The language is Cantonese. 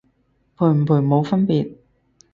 賠唔賠冇分別